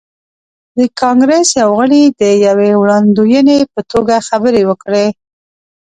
د کانګریس یو غړي د یوې وړاندوینې په توګه خبرې وکړې.